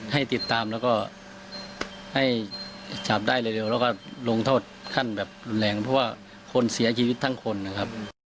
ให้ติดตามแล้วก็ให้จับได้เร็วแล้วก็ลงโทษขั้นแบบรุนแรงเพราะว่าคนเสียชีวิตทั้งคนนะครับ